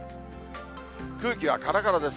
空気はからからです。